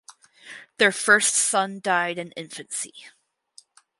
Their first son died in infancy.